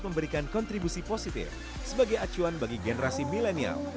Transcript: dan memberikan kontribusi positif sebagai acuan bagi generasi milenial